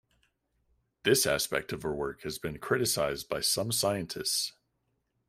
This aspect of her work has been criticized by some scientists.